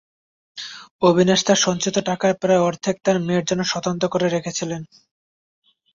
অবনীশ তাঁর সঞ্চিত টাকার প্রায় অর্ধাংশ তাঁর মেয়ের জন্যে স্বতন্ত্র করে রেখেছিলেন।